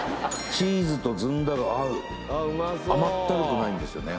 チーズとずんだが合う甘ったるくないんですよね